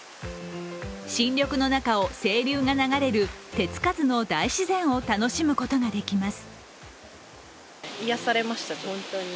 新緑の中を清流を流れる手つかずの大自然を楽しむことができます。